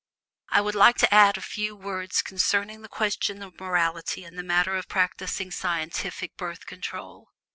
I would like to add a few words concerning the question of morality in the matter of practicing scientific Birth Control.